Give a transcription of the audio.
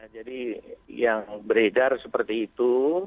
jadi yang beredar seperti itu